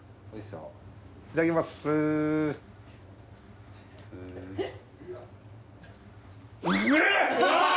いただきますえ！